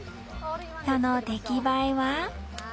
その出来栄えは？